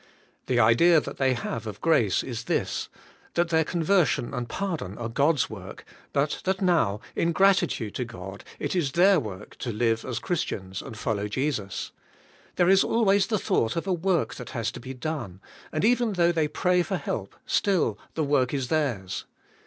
The idea they have of grace is this, — that their conversion and pardon are God's work, but that now, in gratitude to God, it is their work to live as Christians, and follow Jesus. There is always the thought of a work that has to be done, and even though they pray for help, still the work is theirs.